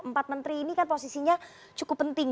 empat menteri ini kan posisinya cukup penting